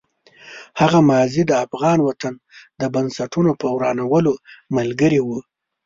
هغه ماضي د افغان وطن د بنسټونو په ورانولو ملګرې وه.